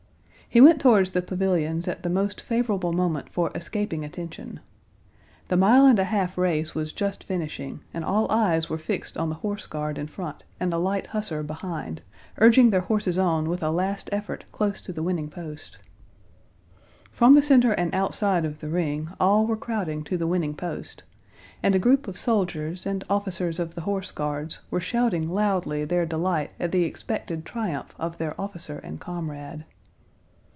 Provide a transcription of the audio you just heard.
He went towards the pavilions at the most favorable moment for escaping attention. The mile and a half race was just finishing, and all eyes were fixed on the horse guard in front and the light hussar behind, urging their horses on with a last effort close to the winning post. From the center and outside of the ring all were crowding to the winning post, and a group of soldiers and officers of the horse guards were shouting loudly their delight at the expected triumph of their officer and comrade.